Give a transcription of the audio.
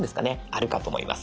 あるかと思います。